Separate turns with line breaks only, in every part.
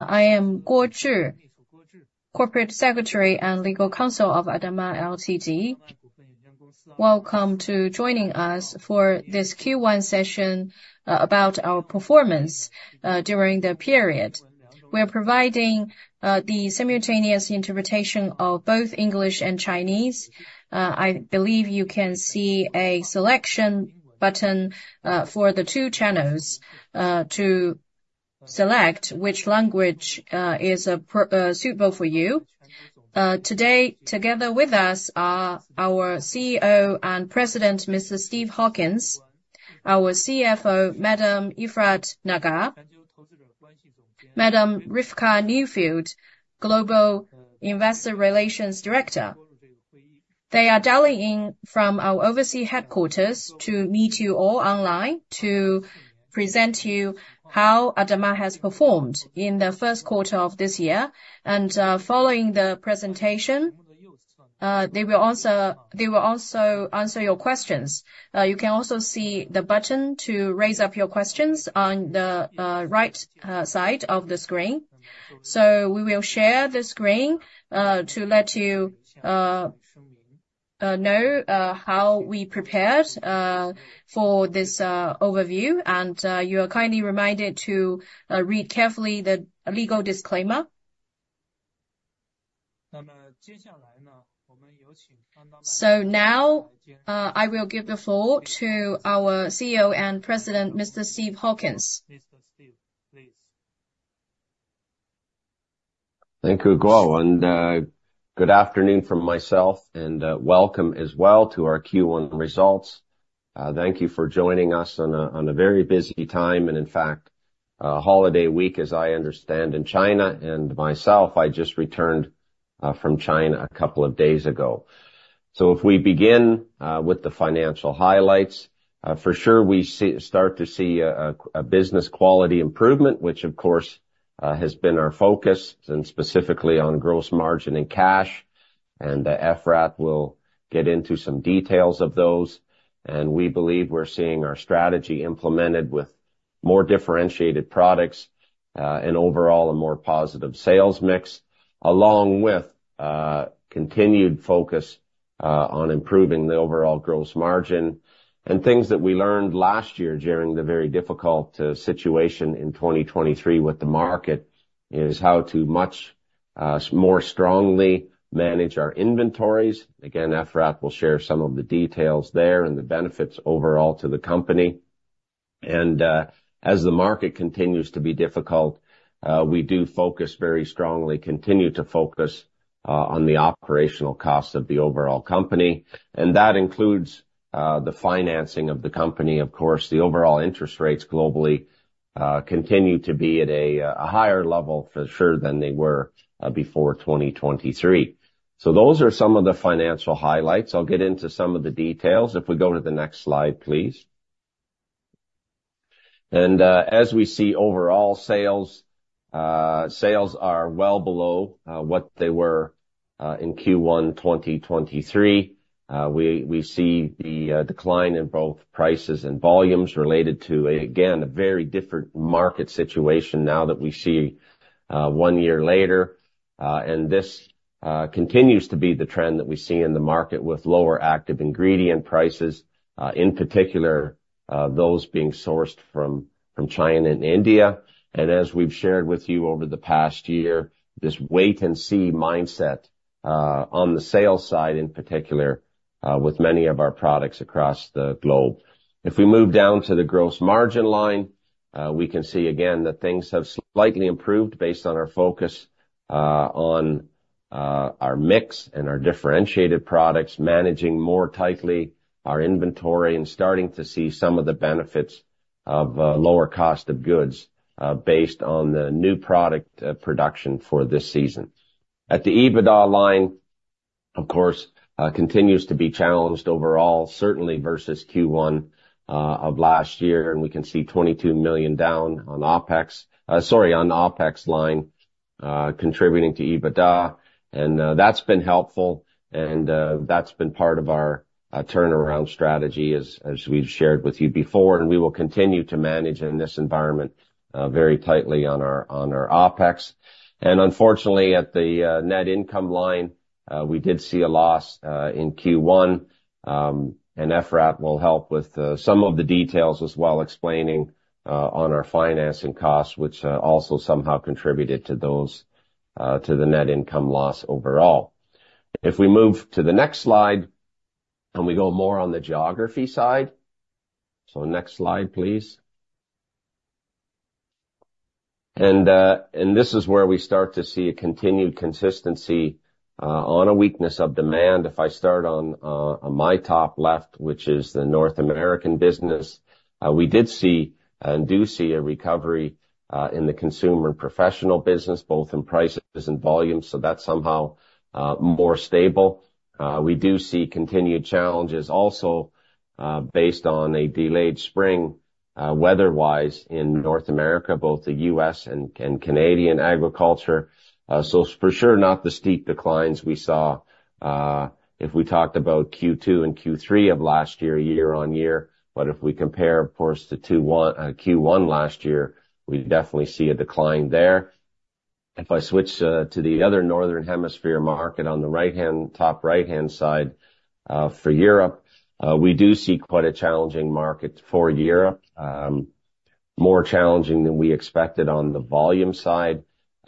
I am Guo Zhi, Corporate Secretary and Legal Counsel of ADAMA Ltd. Welcome to joining us for this Q1 session about our performance during the period. We are providing the simultaneous interpretation of both English and Chinese. I believe you can see a selection button for the two channels to select which language is suitable for you. Today, together with us are our CEO and President, Mr. Steve Hawkins, our CFO, Madam Efrat Nagar, Madam Rivka Neufeld, Global Investor Relations Director. They are dialing in from our overseas headquarters to meet you all online, to present to you how ADAMA has performed in the first quarter of this year, and following the presentation, they will answer, they will also answer your questions. You can also see the button to raise up your questions on the right side of the screen. So we will share the screen to let you know how we prepared for this overview. And you are kindly reminded to read carefully the legal disclaimer. So now I will give the floor to our CEO and President, Mr. Steve Hawkins. Mr. Steve, please.
Thank you, Guo, and good afternoon from myself, and welcome as well to our Q1 results. Thank you for joining us on a very busy time, and in fact, a holiday week, as I understand, in China. And myself, I just returned from China a couple of days ago. So if we begin with the financial highlights, for sure, we start to see a business quality improvement, which, of course, has been our focus, and specifically on gross margin and cash, and Efrat will get into some details of those. And we believe we're seeing our strategy implemented with more differentiated products, and overall, a more positive sales mix, along with continued focus on improving the overall gross margin. And things that we learned last year during the very difficult situation in 2023 with the market is how to much more strongly manage our inventories. Again, Efrat will share some of the details there and the benefits overall to the company. And as the market continues to be difficult, we do focus very strongly, continue to focus, on the operational costs of the overall company, and that includes the financing of the company. Of course, the overall interest rates globally continue to be at a higher level, for sure, than they were before 2023. So those are some of the financial highlights. I'll get into some of the details if we go to the next slide, please. As we see overall, sales are well below what they were in Q1 2023. We see the decline in both prices and volumes related to, again, a very different market situation now that we see one year later. This continues to be the trend that we see in the market, with lower active ingredient prices, in particular, those being sourced from China and India. As we've shared with you over the past year, this wait-and-see mindset on the sales side, in particular, with many of our products across the globe. If we move down to the gross margin line, we can see again that things have slightly improved based on our focus on our mix and our differentiated products, managing more tightly our inventory and starting to see some of the benefits of lower cost of goods based on the new product production for this season. At the EBITDA line, of course, continues to be challenged overall, certainly versus Q1 of last year, and we can see $22 million down on OpEx. Sorry, on the OpEx line, contributing to EBITDA, and that's been helpful, and that's been part of our turnaround strategy as we've shared with you before, and we will continue to manage in this environment very tightly on our OpEx. Unfortunately, at the net income line, we did see a loss in Q1, and Efrat will help with some of the details, as well explaining on our financing costs, which also somehow contributed to those, to the net income loss overall. If we move to the next slide, and we go more on the geography side. Next slide, please. And this is where we start to see a continued consistency on a weakness of demand. If I start on my top left, which is the North American business, we did see and do see a recovery in the consumer and professional business, both in prices and volumes, so that's somehow more stable. We do see continued challenges also, based on a delayed spring, weather-wise in North America, both the U.S. and Canadian agriculture. So for sure, not the steep declines we saw, if we talked about Q2 and Q3 of last year, year-on-year, but if we compare, of course, to Q1 last year, we definitely see a decline there. If I switch to the other northern hemisphere market on the right-hand, top right-hand side, for Europe, we do see quite a challenging market for Europe. More challenging than we expected on the volume side.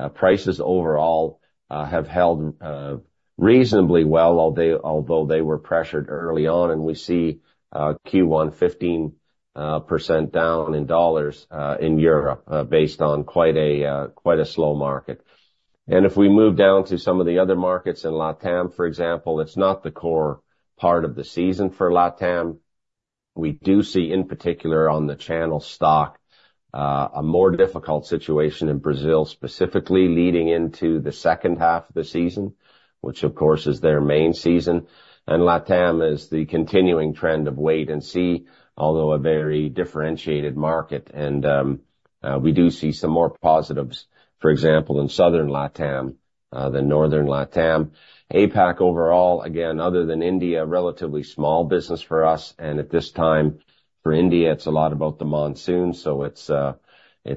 Prices overall have held reasonably well, although they were pressured early on, and we see Q1 15% down in dollars in Europe, based on quite a slow market. If we move down to some of the other markets in LATAM, for example, it's not the core part of the season for LATAM. We do see, in particular, on the channel stock, a more difficult situation in Brazil, specifically leading into the second half of the season, which of course is their main season. LATAM is the continuing trend of wait and see, although a very differentiated market. We do see some more positives, for example, in Southern LATAM than Northern LATAM. APAC overall, again, other than India, relatively small business for us, and at this time, for India, it's a lot about the monsoon, so it's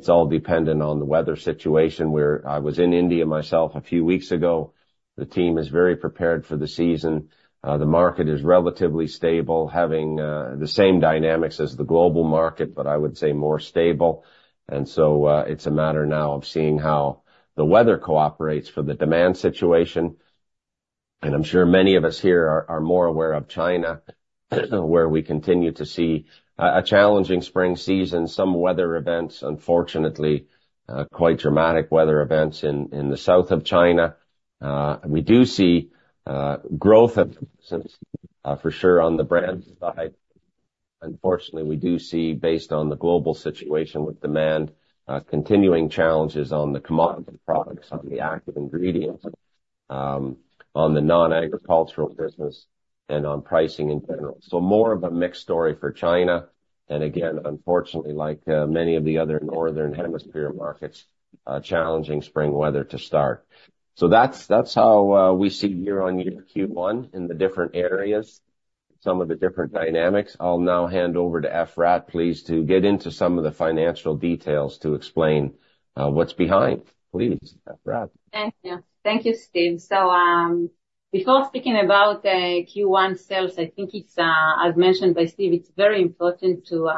all dependent on the weather situation, where I was in India myself a few weeks ago. The team is very prepared for the season. The market is relatively stable, having the same dynamics as the global market, but I would say more stable. So, it's a matter now of seeing how the weather cooperates for the demand situation. I'm sure many of us here are more aware of China, where we continue to see a challenging spring season. Some weather events, unfortunately, quite dramatic weather events in the south of China. We do see growth, of course, for sure, on the brands side. Unfortunately, we do see, based on the global situation with demand, continuing challenges on the commodity products, on the active ingredients, on the non-agricultural business, and on pricing in general. So more of a mixed story for China. Again, unfortunately, like many of the other northern hemisphere markets, challenging spring weather to start. So that's, that's how we see year-on-year Q1 in the different areas, some of the different dynamics. I'll now hand over to Efrat, please, to get into some of the financial details to explain what's behind. Please, Efrat.
Thank you. Thank you, Steve. Before speaking about Q1 sales, I think it's, as mentioned by Steve, it's very important to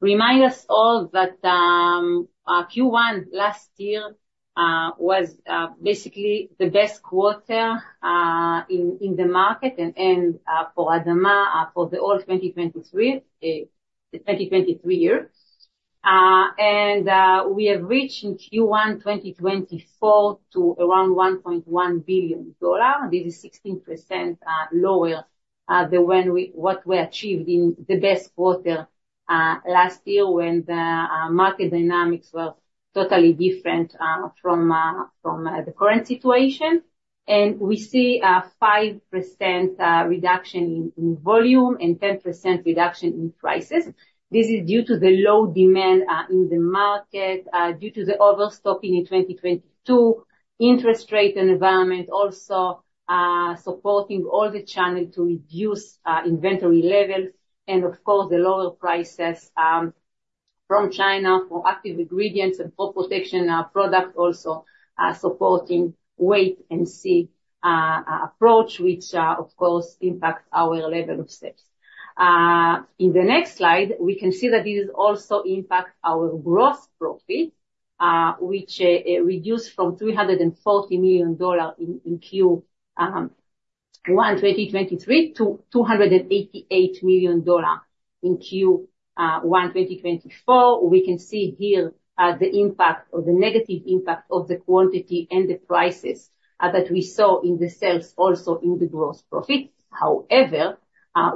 remind us all that Q1 last year was basically the best quarter in the market and for ADAMA for all 2023, the 2023 year. And we have reached in Q1 2024 to around $1.1 billion. This is 16% lower than what we achieved in the best quarter last year, when the market dynamics were totally different from the current situation. And we see a 5% reduction in volume and 10% reduction in prices. This is due to the low demand in the market due to the overstocking in 2022, interest rate environment, also supporting all the channel to reduce inventory levels, and of course, the lower prices from China for active ingredients and for protection product also supporting wait and see approach, which of course impacts our level of sales. In the next slide, we can see that this is also impact our gross profit, which reduced from $340 million in Q1 2023 to $288 million in Q1 2024. We can see here the impact or the negative impact of the quantity and the prices that we saw in the sales, also in the gross profit. However,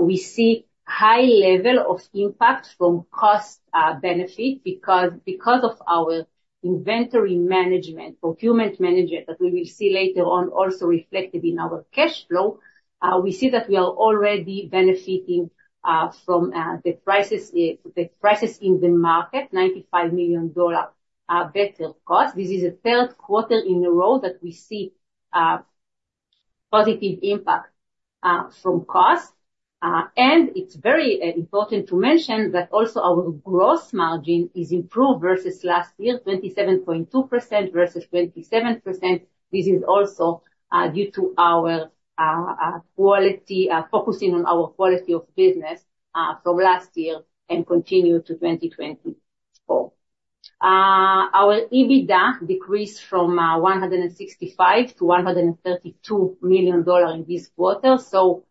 we see high level of impact from cost benefit, because of our inventory management, procurement management, that we will see later on, also reflected in our cash flow. We see that we are already benefiting from the prices, the prices in the market, $95 million better cost. This is a third quarter in a row that we see positive impact from cost. And it's very important to mention that also our gross margin is improved versus last year, 27.2% versus 27%. This is also due to our quality, focusing on our quality of business from last year and continue to 2024. Our EBITDA decreased from $165 million to $132 million in this quarter. So,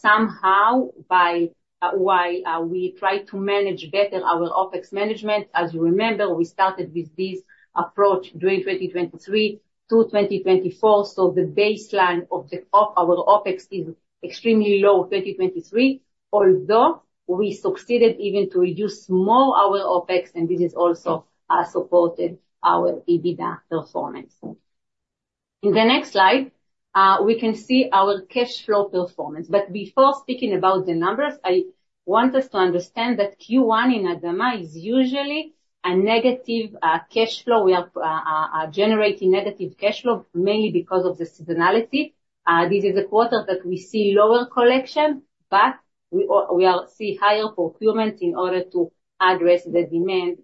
somehow, while we try to manage better our OpEx management, as you remember, we started with this approach during 2023 to 2024, so the baseline of our OpEx is extremely low, 2023, although we succeeded even to reduce more our OpEx, and this has also supported our EBITDA performance. In the next slide, we can see our cash flow performance. But before speaking about the numbers, I want us to understand that Q1 in ADAMA is usually a negative cash flow. We are generating negative cash flow, mainly because of the seasonality. This is a quarter that we see lower collection, but we see higher procurement in order to address the demand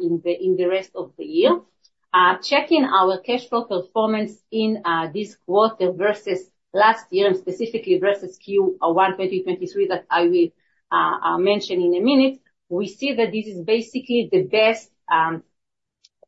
in the rest of the year. Checking our cash flow performance in this quarter versus last year, and specifically versus Q1 2023, that I will mention in a minute. We see that this is basically the best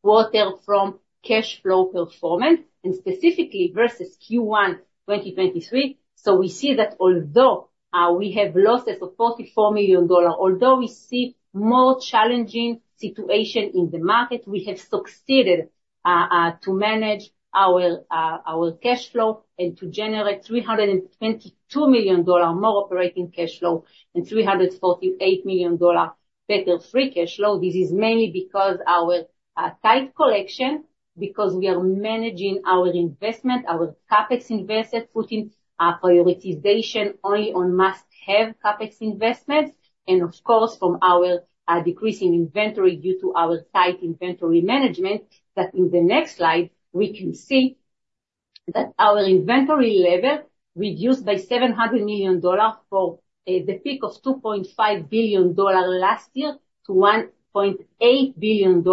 quarter from cash flow performance, and specifically versus Q1 2023. So we see that although we have losses of $44 million, although we see more challenging situation in the market, we have succeeded to manage our cash flow and to generate $322 million more operating cash flow, and $348 million better free cash flow. This is mainly because our tight collection, because we are managing our investment, our CapEx investment, putting prioritization only on must-have CapEx investments, and of course, from our decrease in inventory due to our tight inventory management. That in the next slide, we can see that our inventory level reduced by $700 million for the peak of $2.5 billion last year to $1.8 billion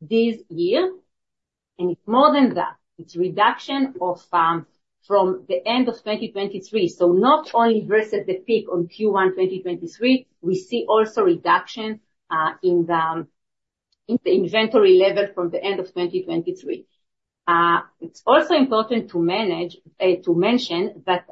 this year. It's more than that. It's reduction of from the end of 2023. Not only versus the peak on Q1 2023, we see also reduction in the inventory level from the end of 2023. It's also important to mention that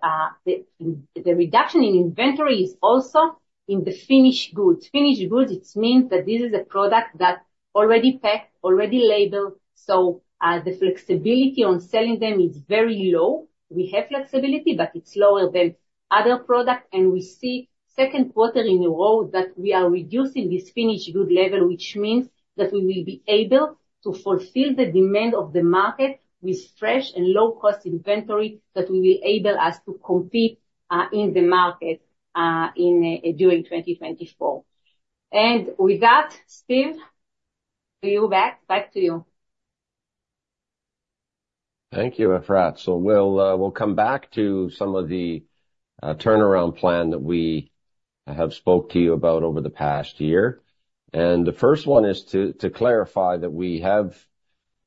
the reduction in inventory is also in the finished goods. Finished goods, it means that this is a product that already packed, already labeled, so the flexibility on selling them is very low. We have flexibility, but it's lower than other product. And we see second quarter in a row that we are reducing this finished good level, which means that we will be able to fulfill the demand of the market with fresh and low-cost inventory that will able us to compete in the market during 2024. And with that, Steve, to you back. Back to you.
Thank you, Efrat. So we'll, we'll come back to some of the, turnaround plan that we have spoke to you about over the past year. And the first one is to, to clarify that we have,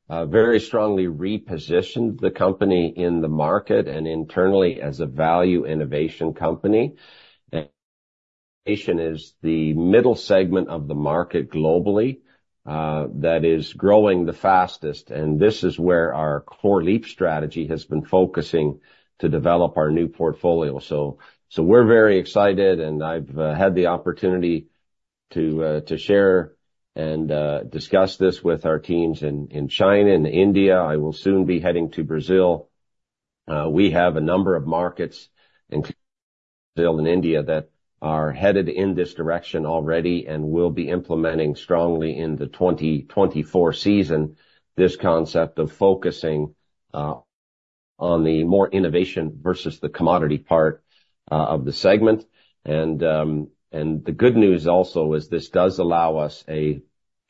very strongly repositioned the company in the market and internally as a Value Innovation company. And innovation is the middle segment of the market globally, that is growing the fastest, and this is where our Core Leap strategy has been focusing to develop our new portfolio. So, so we're very excited, and I've, had the opportunity to, to share and, discuss this with our teams in, China and India. I will soon be heading to Brazil. We have a number of markets, including Brazil and India, that are headed in this direction already and will be implementing strongly in the 2024 season, this concept of focusing on the more innovation versus the commodity part of the segment. And the good news also is this does allow us a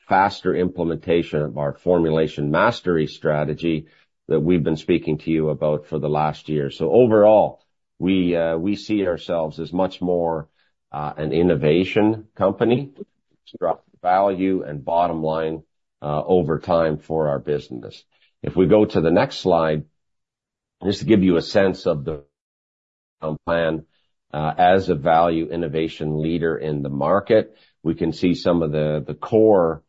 faster implementation of our Formulation Mastery strategy that we've been speaking to you about for the last year. So overall, we see ourselves as much more an innovation company, drop value and bottom line over time for our business. If we go to the next slide, just to give you a sense of the plan, as a Value Innovation leader in the market, we can see some of the core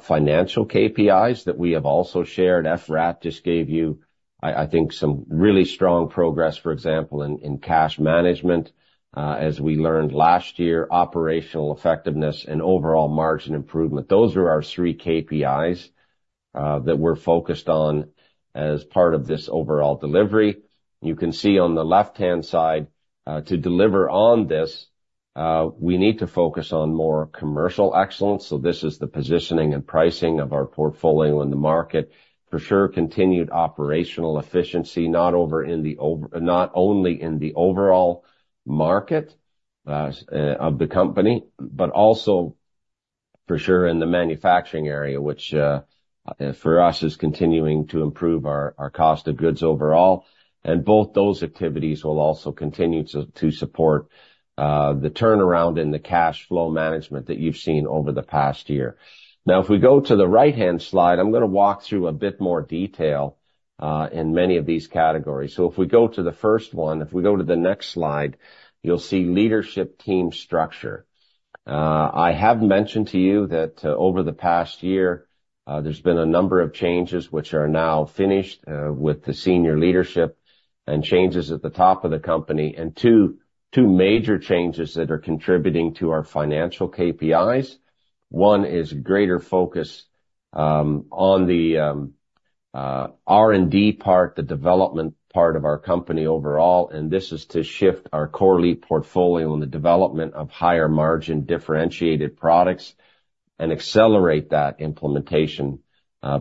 financial KPIs that we have also shared. Efrat just gave you, I think, some really strong progress, for example, in cash management. As we learned last year, operational effectiveness and overall margin improvement. Those are our three KPIs that we're focused on as part of this overall delivery. You can see on the left-hand side, to deliver on this, we need to focus on more commercial excellence, so this is the positioning and pricing of our portfolio in the market. For sure, continued operational efficiency, not only in the overall market of the company, but also for sure in the manufacturing area, which for us, is continuing to improve our cost of goods overall. And both those activities will also continue to support the turnaround in the cash flow management that you've seen over the past year. Now, if we go to the right-hand slide, I'm gonna walk through a bit more detail in many of these categories. So if we go to the first one, if we go to the next slide, you'll see leadership team structure. I have mentioned to you that over the past year there's been a number of changes which are now finished with the senior leadership and changes at the top of the company, and two major changes that are contributing to our financial KPIs. One is greater focus on the R&D part, the development part of our company overall, and this is to shift our Core Leap portfolio in the development of higher margin, differentiated products, and accelerate that implementation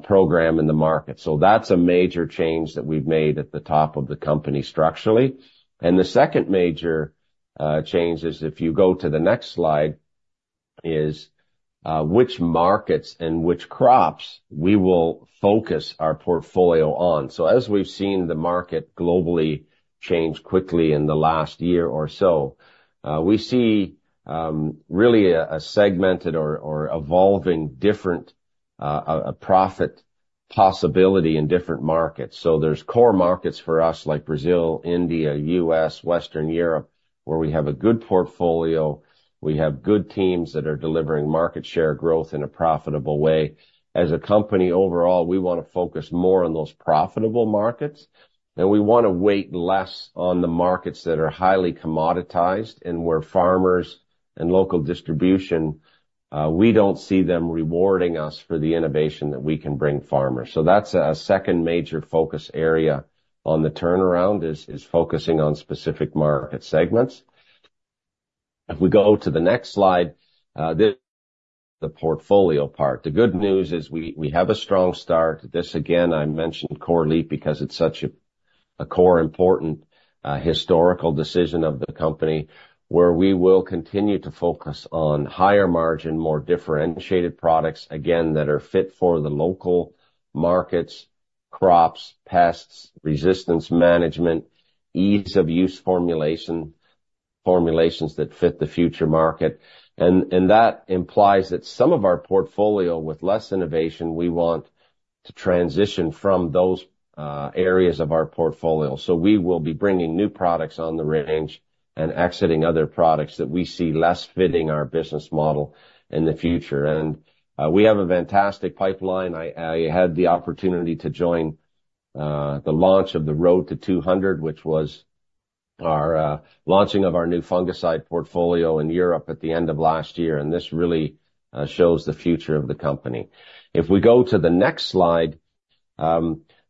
program in the market. So that's a major change that we've made at the top of the company structurally. The second major change is, if you go to the next slide, which markets and which crops we will focus our portfolio on? As we've seen the market globally change quickly in the last year or so, we see really a segmented or evolving different profit possibility in different markets. There's core markets for us, like Brazil, India, U.S., Western Europe, where we have a good portfolio. We have good teams that are delivering market share growth in a profitable way. As a company overall, we wanna focus more on those profitable markets, and we wanna wait less on the markets that are highly commoditized and where farmers and local distribution, we don't see them rewarding us for the innovation that we can bring farmers. So that's a second major focus area on the turnaround, is focusing on specific market segments. If we go to the next slide, the portfolio part. The good news is we have a strong start. This, again, I mentioned Core Leap because it's such a core important historical decision of the company, where we will continue to focus on higher margin, more differentiated products, again, that are fit for the local markets, crops, pests, resistance management, ease of use formulations that fit the future market. And that implies that some of our portfolio with less innovation, we want to transition from those areas of our portfolio. So we will be bringing new products on the range and exiting other products that we see less fitting our business model in the future. And we have a fantastic pipeline. I had the opportunity to join the launch of the Road to 200, which was our launching of our new fungicide portfolio in Europe at the end of last year, and this really shows the future of the company. If we go to the next slide,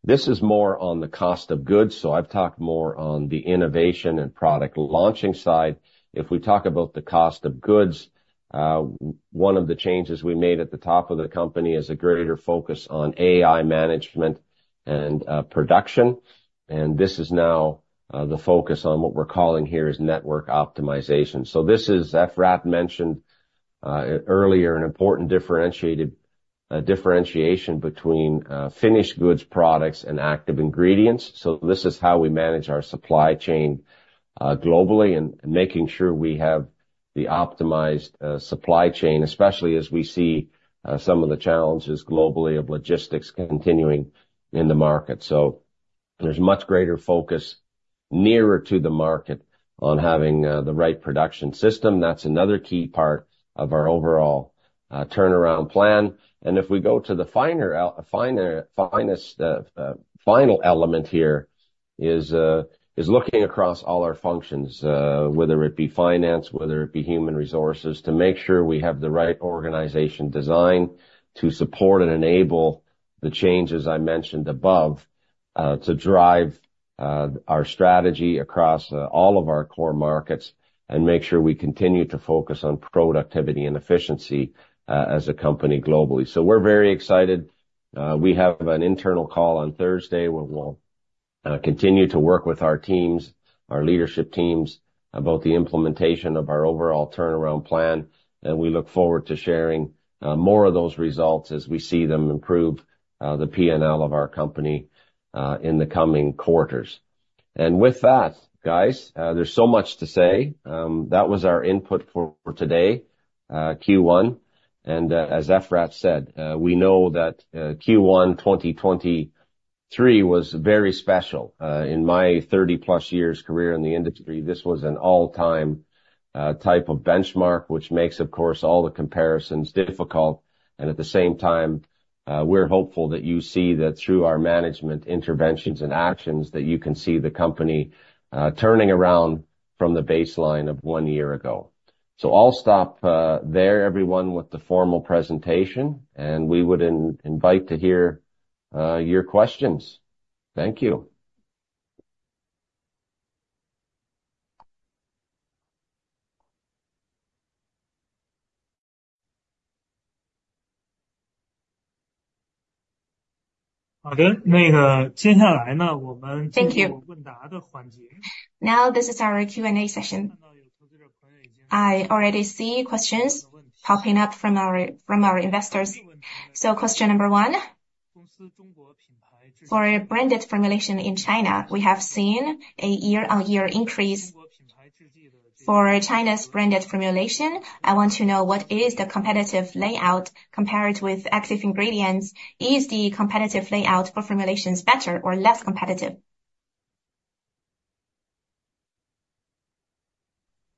this is more on the cost of goods. So I've talked more on the innovation and product launching side. If we talk about the cost of goods, one of the changes we made at the top of the company is a greater focus on AI management and production. And this is now the focus on what we're calling here is network optimization. So this is, Efrat mentioned earlier, an important differentiated differentiation between finished goods, products, and active ingredients. So this is how we manage our supply chain globally, and making sure we have the optimized supply chain, especially as we see some of the challenges globally of logistics continuing in the market. So there's much greater focus nearer to the market on having the right production system. That's another key part of our overall turnaround plan. And if we go to the final element here, is looking across all our functions, whether it be finance, whether it be human resources, to make sure we have the right organization design to support and enable the changes I mentioned above, to drive our strategy across all of our core markets and make sure we continue to focus on productivity and efficiency as a company globally. So we're very excited. We have an internal call on Thursday, where we'll continue to work with our teams, our leadership teams, about the implementation of our overall turnaround plan. We look forward to sharing more of those results as we see them improve the P&L of our company in the coming quarters. And with that, guys, there's so much to say. That was our input for today, Q1. As Efrat said, we know that Q1 2023 was very special. In my 30+ years career in the industry, this was an all-time type of benchmark, which makes, of course, all the comparisons difficult. At the same time, we're hopeful that you see that through our management interventions and actions, that you can see the company turning around from the baseline of one year ago. So I'll stop there, everyone, with the formal presentation, and we would invite to hear your questions. Thank you.
Thank you. Now, this is our Q&A session. I already see questions popping up from our, from our investors. So question number one: For a branded formulation in China, we have seen a year-on-year increase. For China's branded formulation, I want to know, what is the competitive layout compared with active ingredients? Is the competitive layout for formulations better or less competitive?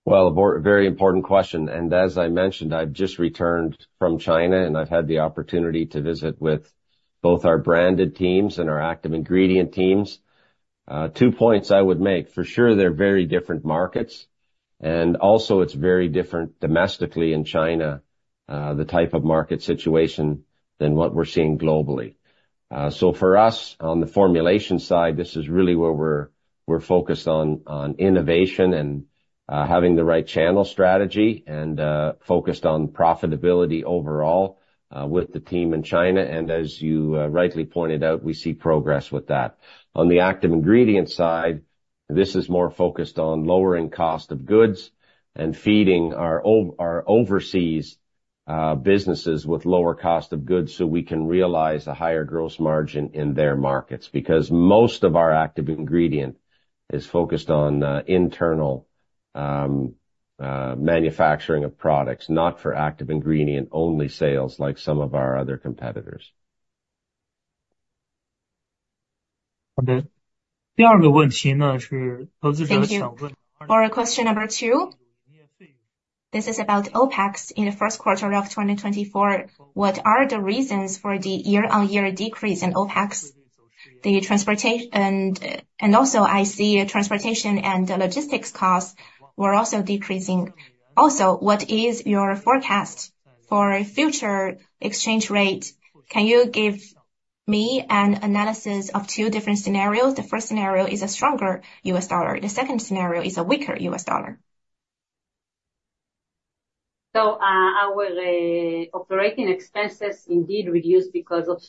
Well, a very important question, and as I mentioned, I've just returned from China, and I've had the opportunity to visit with both our branded teams and our active ingredient teams. Two points I would make: For sure, they're very different markets, and also it's very different domestically in China, the type of market situation than what we're seeing globally. So for us, on the formulation side, this is really where we're focused on innovation and having the right channel strategy and focused on profitability overall with the team in China. And as you rightly pointed out, we see progress with that. On the active ingredient side. This is more focused on lowering cost of goods and feeding our overseas businesses with lower cost of goods, so we can realize a higher gross margin in their markets. Because most of our active ingredient is focused on internal manufacturing of products, not for active ingredient, only sales, like some of our other competitors.
Thank you. For question number 2, this is about OpEx in the first quarter of 2024. What are the reasons for the year-on-year decrease in OpEx? The transportation and logistics costs were also decreasing. Also, what is your forecast for future exchange rate? Can you give me an analysis of two different scenarios? The first scenario is a stronger U.S. dollar; the second scenario is a weaker U.S. dollar.
So, our operating expenses indeed reduced because of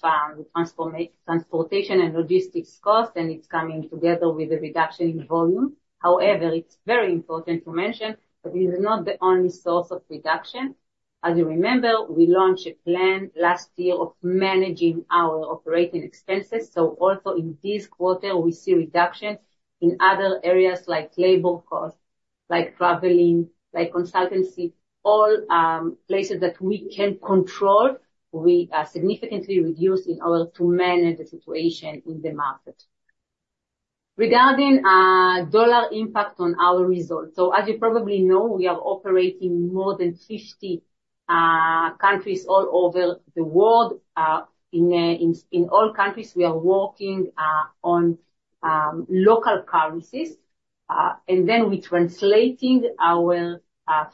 transportation and logistics cost, and it's coming together with a reduction in volume. However, it's very important to mention that this is not the only source of reduction. As you remember, we launched a plan last year of managing our operating expenses. So also in this quarter, we see reduction in other areas like labor cost, like traveling, like consultancy. All places that we can control, we are significantly reduced in order to manage the situation in the market. Regarding dollar impact on our results. So as you probably know, we are operating more than 50 countries all over the world. In all countries, we are working on local currencies, and then we're translating our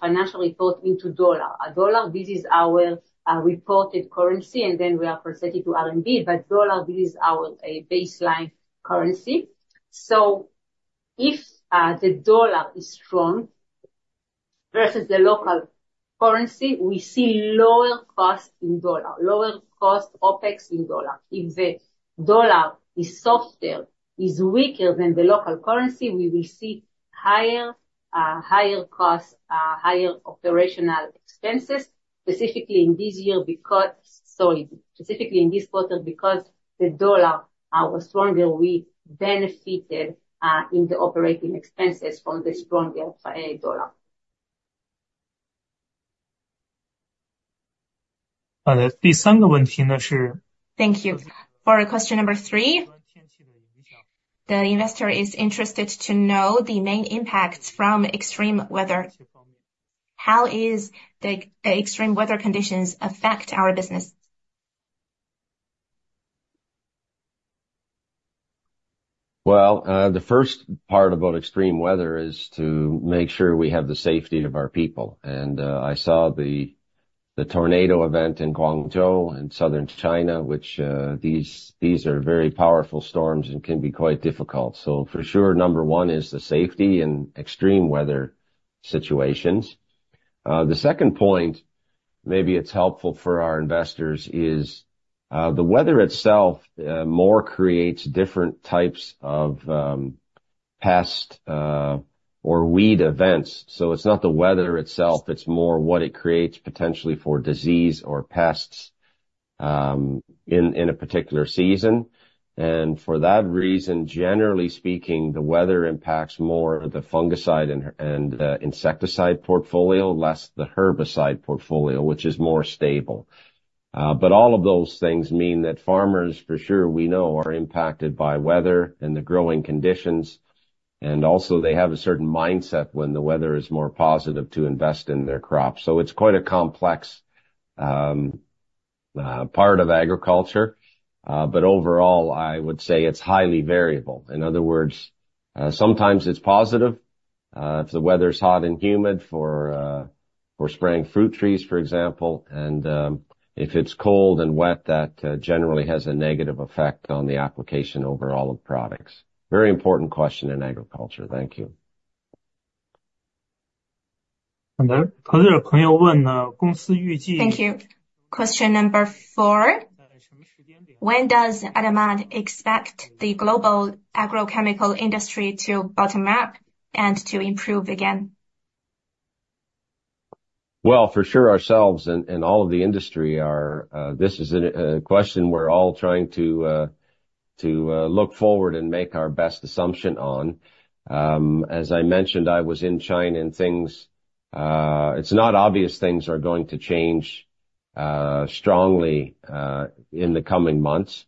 financial report into dollar. Dollar, this is our reported currency, and then we are converting to RMB, but dollar, this is our baseline currency. So if the dollar is strong versus the local currency, we see lower cost in dollar, lower cost OpEx in dollar. If the dollar is softer, is weaker than the local currency, we will see higher, higher cost, higher operational expenses, specifically in this year, because, sorry, specifically in this quarter, because the dollar was stronger. We benefited in the operating expenses from the stronger dollar.
Thank you. For question number three, the investor is interested to know the main impacts from extreme weather. How is the extreme weather conditions affect our business?
Well, the first part about extreme weather is to make sure we have the safety of our people. I saw the tornado event in Guangzhou, in Southern China, which these are very powerful storms and can be quite difficult. So for sure, number one is the safety in extreme weather situations. The second point, maybe it's helpful for our investors, is the weather itself more creates different types of pest or weed events. So it's not the weather itself, it's more what it creates potentially for disease or pests in a particular season. And for that reason, generally speaking, the weather impacts more the fungicide and the insecticide portfolio, less the herbicide portfolio, which is more stable. But all of those things mean that farmers, for sure, we know, are impacted by weather and the growing conditions, and also, they have a certain mindset when the weather is more positive to invest in their crops. So it's quite a complex part of agriculture, but overall, I would say it's highly variable. In other words, sometimes it's positive if the weather is hot and humid for spraying fruit trees, for example. And if it's cold and wet, that generally has a negative effect on the application overall of products. Very important question in agriculture. Thank you.
Thank you. Question number four: When does ADAMA expect the global agrochemical industry to bottom up and to improve again?
Well, for sure, ourselves and all of the industry are... This is a question we're all trying to look forward and make our best assumption on. As I mentioned, I was in China, and things... It's not obvious things are going to change strongly in the coming months.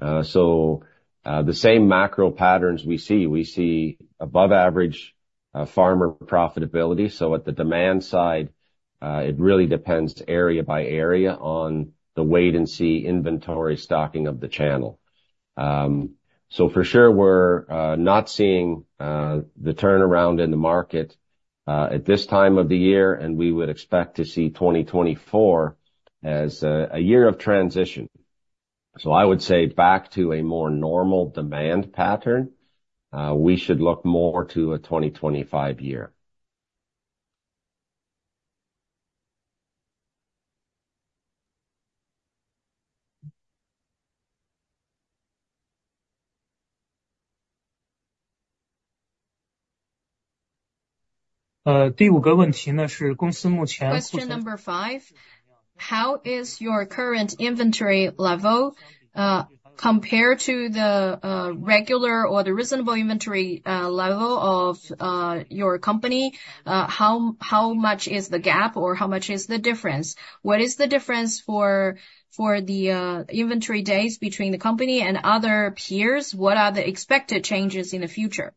So, the same macro patterns we see, we see above average farmer profitability. So at the demand side, it really depends area by area on the wait-and-see inventory stocking of the channel. So for sure, we're not seeing the turnaround in the market at this time of the year, and we would expect to see 2024 as a year of transition. So I would say back to a more normal demand pattern, we should look more to a 2025 year.
Question number five, how is your current inventory level compared to the regular or the reasonable inventory level of your company? How much is the gap or how much is the difference? What is the difference for the inventory days between the company and other peers? What are the expected changes in the future?
Okay.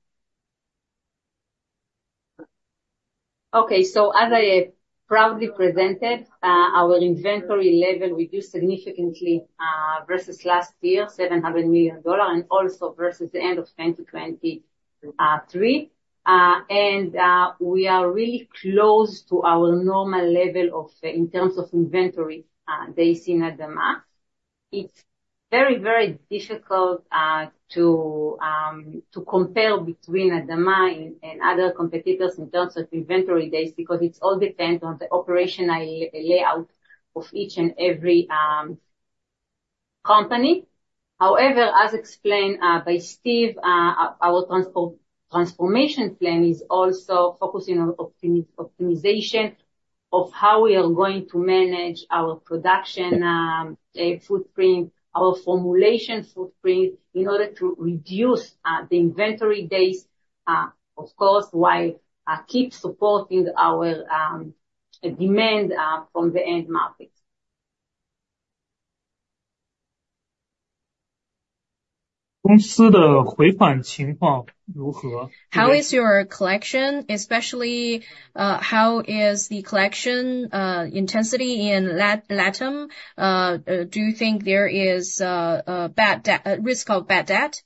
So as I have proudly presented, our inventory level reduced significantly versus last year, $700 million, and also versus the end of 2023. We are really close to our normal level of in terms of inventory days in ADAMA. It's very, very difficult to compare between ADAMA and other competitors in terms of inventory days, because it's all depends on the operational layout of each and every company. However, as explained by Steve, our transformation plan is also focusing on optimization of how we are going to manage our production footprint, our formulation footprint, in order to reduce the inventory days, of course, while keep supporting our demand from the end market.
How is your collection, especially, how is the collection intensity in LATAM? Do you think there is a risk of bad debt?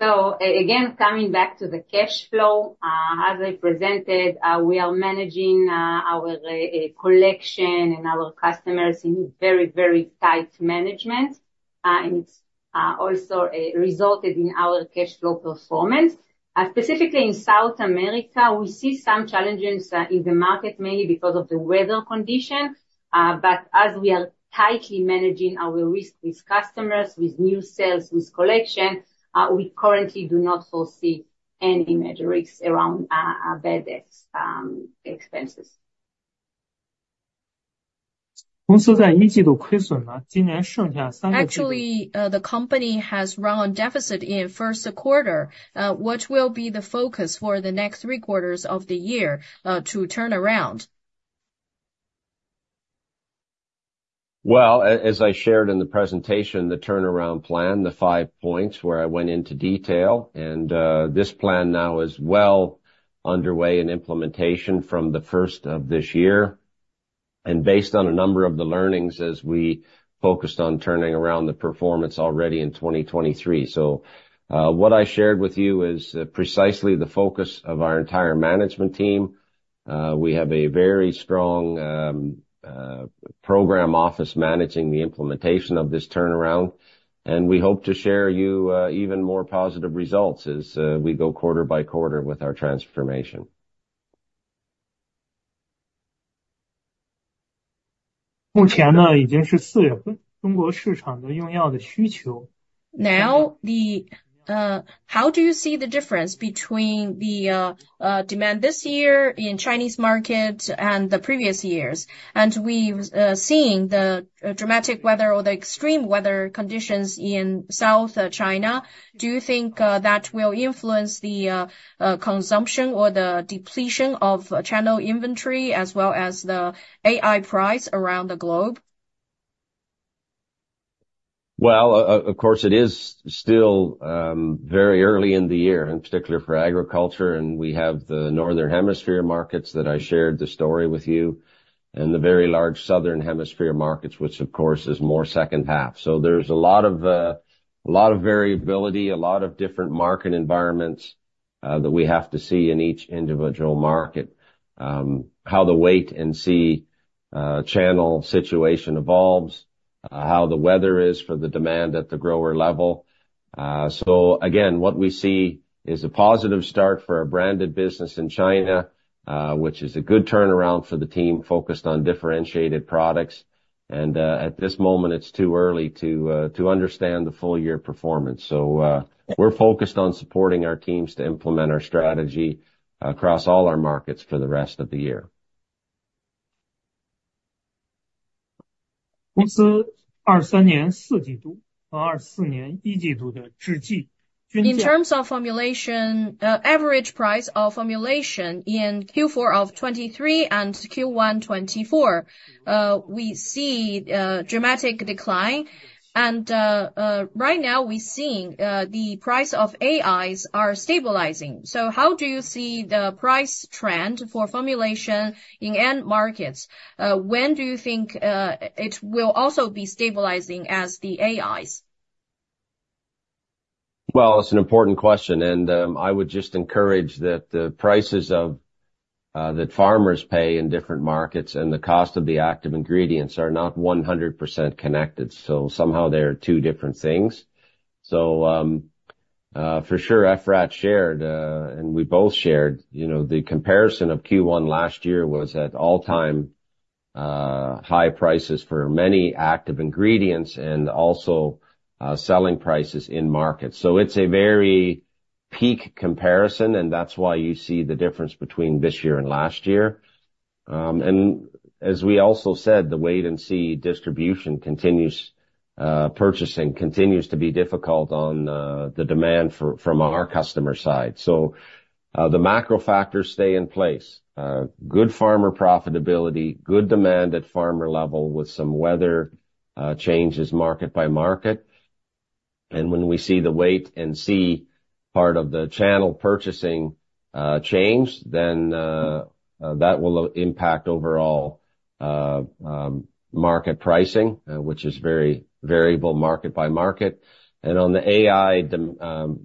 So again, coming back to the cash flow, as I presented, we are managing our collection and our customers in very, very tight management, and it's also resulted in our cash flow performance. Specifically in South America, we see some challenges in the market, mainly because of the weather condition. But as we are tightly managing our risk with customers, with new sales, with collection, we currently do not foresee any major risks around our bad debts, expenses.
Actually, the company has run on deficit in first quarter. What will be the focus for the next three quarters of the year, to turn around?
Well, as I shared in the presentation, the turnaround plan, the five points where I went into detail, and this plan now is well underway in implementation from the first of this year. And based on a number of the learnings as we focused on turning around the performance already in 2023. So, what I shared with you is precisely the focus of our entire management team. We have a very strong program office managing the implementation of this turnaround, and we hope to share you even more positive results as we go quarter by quarter with our transformation.
Now, how do you see the difference between the demand this year in Chinese market and the previous years? And we've seen the dramatic weather or the extreme weather conditions in South China. Do you think that will influence the consumption or the depletion of channel inventory as well as the AI price around the globe?
Well, of course, it is still very early in the year, in particular for agriculture, and we have the Northern Hemisphere markets that I shared the story with you, and the very large Southern Hemisphere markets, which of course is more second half. So there's a lot of variability, a lot of different market environments that we have to see in each individual market. How the wait and see channel situation evolves, how the weather is for the demand at the grower level. So again, what we see is a positive start for our branded business in China, which is a good turnaround for the team focused on differentiated products. And at this moment, it's too early to understand the full year performance. We're focused on supporting our teams to implement our strategy across all our markets for the rest of the year.
In terms of formulation, average price of formulation in Q4 of 2023 and Q1 2024, we see dramatic decline. Right now, we're seeing the price of AIs are stabilizing. So how do you see the price trend for formulation in end markets? When do you think it will also be stabilizing as the AIs?
Well, it's an important question, and I would just encourage that the prices of that farmers pay in different markets and the cost of the active ingredients are not 100% connected. So somehow they are two different things. So, for sure, Efrat shared and we both shared, you know, the comparison of Q1 last year was at all-time high prices for many active ingredients and also selling prices in market. So it's a very peak comparison, and that's why you see the difference between this year and last year. And as we also said, the wait-and-see distribution continues, purchasing continues to be difficult on the demand from our customer side. So, the macro factors stay in place. Good farmer profitability, good demand at farmer level with some weather changes market by market. When we see the wait-and-see part of the channel purchasing change, then that will impact overall market pricing, which is very variable market by market. And on the AI, the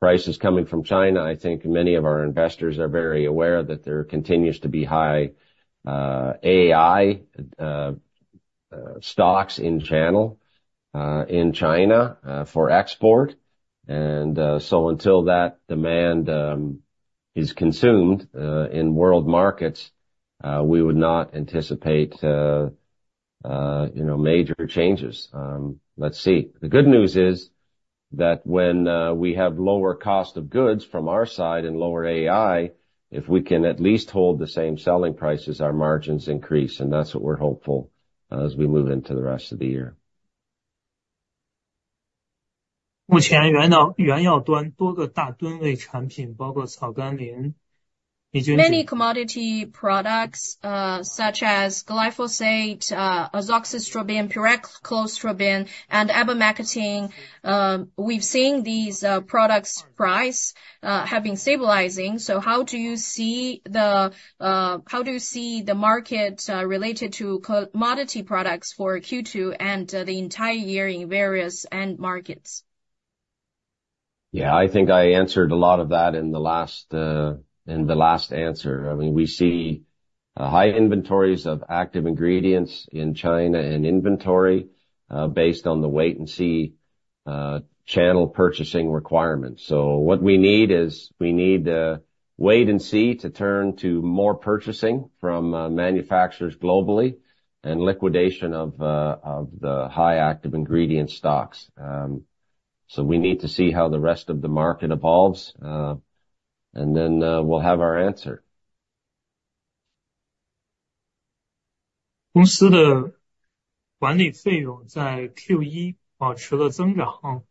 prices coming from China, I think many of our investors are very aware that there continues to be high AI stocks in channel in China for export. And so until that demand is consumed in world markets, we would not anticipate you know major changes. Let's see. The good news is that when we have lower cost of goods from our side and lower AI, if we can at least hold the same selling prices, our margins increase, and that's what we're hopeful as we move into the rest of the year.
Many commodity products, such as glyphosate, azoxystrobin, pyraclostrobin, and abamectin, we've seen these products' price have been stabilizing. So how do you see the market related to commodity products for Q2 and the entire year in various end markets?
Yeah, I think I answered a lot of that in the last, in the last answer. I mean, we see high inventories of active ingredients in China and inventory based on the wait-and-see channel purchasing requirements. So what we need is, we need the wait-and-see to turn to more purchasing from manufacturers globally, and liquidation of the high active ingredient stocks. So we need to see how the rest of the market evolves, and then we'll have our answer.
The company's operating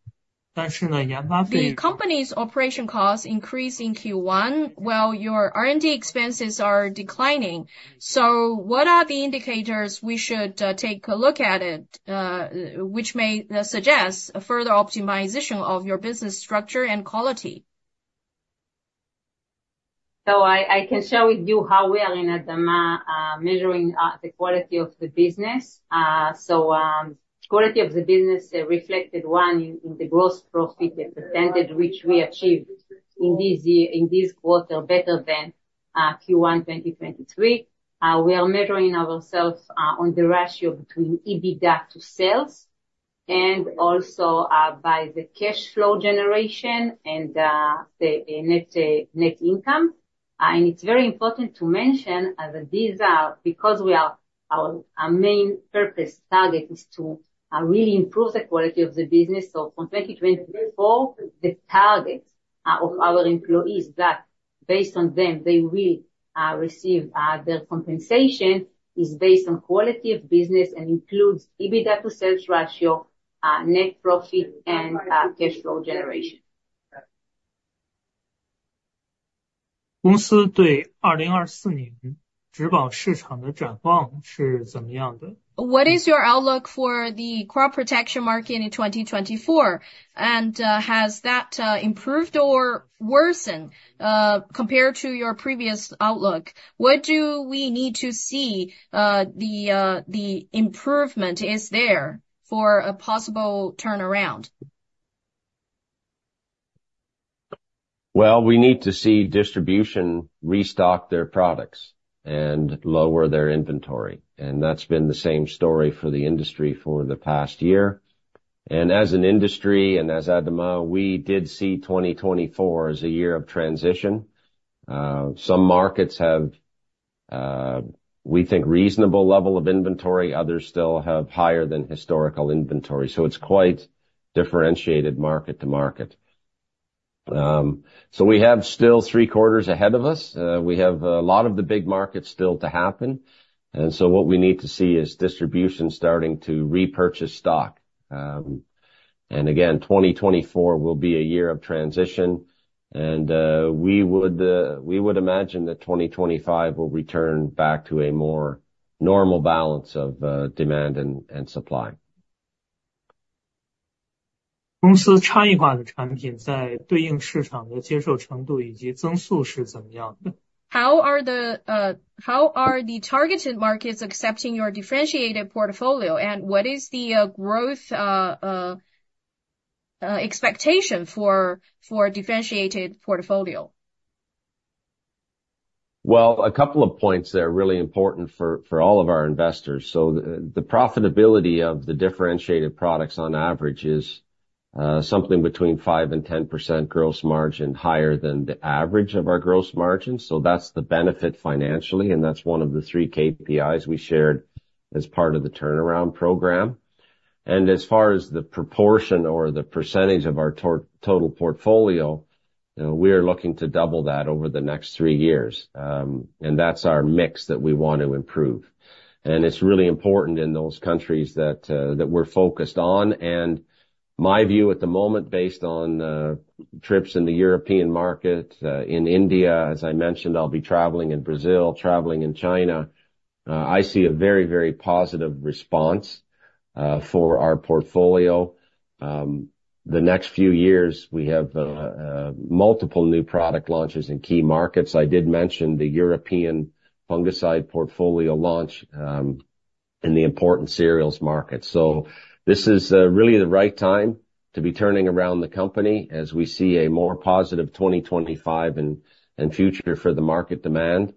costs increased in Q1, while your R&D expenses are declining. So what are the indicators we should take a look at it, which may suggest a further optimization of your business structure and quality?
So I can share with you how we are in ADAMA measuring the quality of the business. So quality of the business reflected, one, in the gross profit percentage, which we achieved in this quarter, better than Q1 2023. We are measuring ourselves on the ratio between EBITDA to sales, and also by the cash flow generation and the net net income. And it's very important to mention that these are because we are our our main purpose, target, is to really improve the quality of the business. So from 2024, the target of our employees, that based on them, they will receive their compensation is based on quality of business and includes EBITDA to sales ratio, net profit and cash flow generation.
What is your outlook for the crop protection market in 2024? And has that improved or worsened compared to your previous outlook? What do we need to see? The improvement is there for a possible turnaround?
Well, we need to see distribution restock their products and lower their inventory, and that's been the same story for the industry for the past year. And as an industry, and as ADAMA, we did see 2024 as a year of transition. Some markets have, we think, reasonable level of inventory, others still have higher than historical inventory, so it's quite differentiated market to market. So we have still three quarters ahead of us. We have a lot of the big markets still to happen, and so what we need to see is distribution starting to repurchase stock. And again, 2024 will be a year of transition, and, we would, we would imagine that 2025 will return back to a more normal balance of, demand and, and supply.
How are the targeted markets accepting your differentiated portfolio, and what is the growth expectation for differentiated portfolio?
Well, a couple of points that are really important for all of our investors. So the profitability of the differentiated products on average is something between 5% and 10% gross margin higher than the average of our gross margin. So that's the benefit financially, and that's one of the 3 KPIs we shared as part of the turnaround program. And as far as the proportion or the percentage of our total portfolio, you know, we are looking to double that over the next 3 years. And that's our mix that we want to improve. And it's really important in those countries that we're focused on. My view at the moment, based on trips in the European market, in India, as I mentioned, I'll be traveling in Brazil, traveling in China, I see a very, very positive response for our portfolio. The next few years, we have multiple new product launches in key markets. I did mention the European fungicide portfolio launch in the important cereals market. This is really the right time to be turning around the company as we see a more positive 2025 and future for the market demand.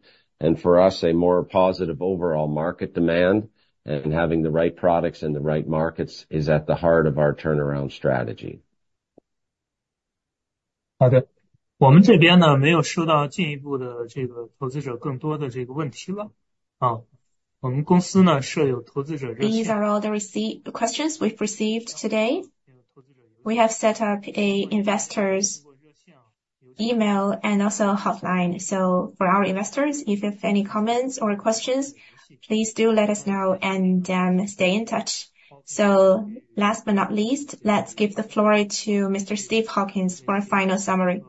For us, a more positive overall market demand and having the right products in the right markets is at the heart of our turnaround strategy.
These are all the received questions we've received today. We have set up an investor's email and also a hotline. So for our investors, if you have any comments or questions, please do let us know and stay in touch. So last but not least, let's give the floor to Mr. Steve Hawkins for a final summary.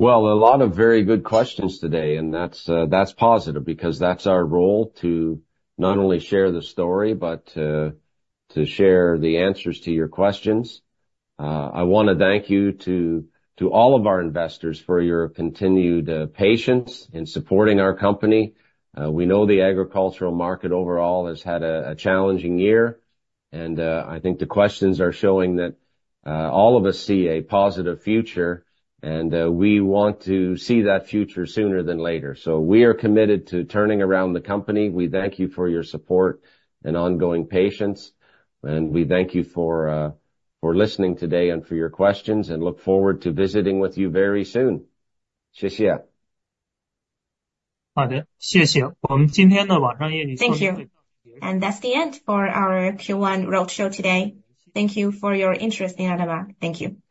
Well, a lot of very good questions today, and that's positive because that's our role to not only share the story, but to share the answers to your questions. I wanna thank you to all of our investors for your continued patience in supporting our company. We know the agricultural market overall has had a challenging year, and I think the questions are showing that all of us see a positive future, and we want to see that future sooner than later. So we are committed to turning around the company. We thank you for your support and ongoing patience, and we thank you for listening today and for your questions, and look forward to visiting with you very soon. Xiexie.
Thank you. That's the end for our Q1 roadshow today. Thank you for your interest in ADAMA. Thank you.